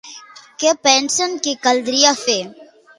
Què pensen que caldria fer?